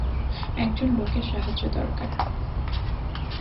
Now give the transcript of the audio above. একজন লোকের সাহায্য দরকার।